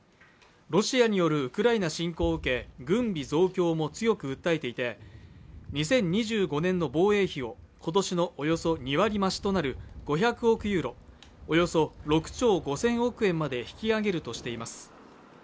ロシアによるウクライナ侵攻を受け軍備増強も強く訴えていて２０２５年の防衛費を今年のおよそ２割増しとなる５００億ユーロ、およそ６兆５０００億円まで引き上げるとしています。